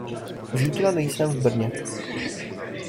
Zítra nejsem v Brně.